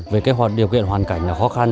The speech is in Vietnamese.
về điều kiện hoàn cảnh khó khăn